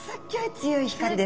強い光です。